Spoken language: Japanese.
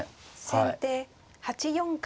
先手８四角。